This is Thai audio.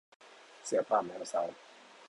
เสือป่าแมวเซา